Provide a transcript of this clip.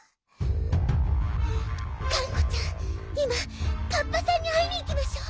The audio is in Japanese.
がんこちゃんいまカッパさんにあいにいきましょう。